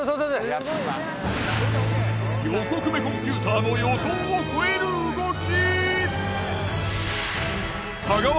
横粂コンピューターの予想を超える動き。